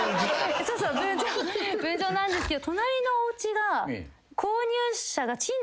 分譲なんですけど。